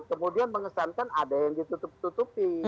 kemudian mengesankan ada yang ditutup tutupi